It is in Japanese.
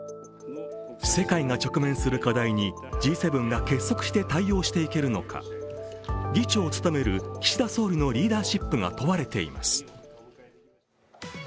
世界が直面する課題にＧ７が結束して対応していけるのか、議長を務める岸田総理のリーダーシップが問われています。